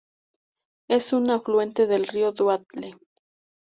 Es un afluente del río Daule.